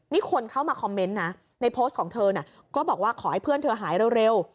นี่คนเข้ามาคอมเมนต์นะในโพสต์ของเธอน่ะก็บอกว่าขอให้เพื่อนเธอหายเร็ว